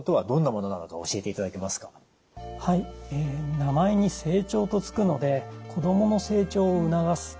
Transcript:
はい名前に「成長」と付くので子供の成長を促す